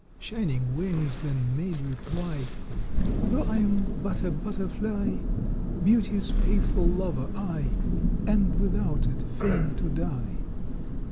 Shining Wings then made reply: "Though I'm but a butterfly, Beauty's faithful lover I, And without it fain to die.